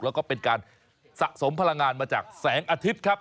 แล้วก็เป็นการสะสมพลังงานมาจากแสงอาทิตย์ครับ